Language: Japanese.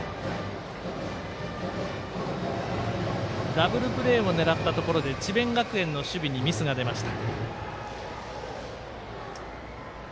ダブルプレーを狙ったところで智弁学園の守備にミスが出ました。